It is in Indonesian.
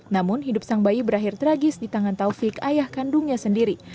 namun hidup sang bayi berakhir tragis di tangan taufik ayah kandungnya sendiri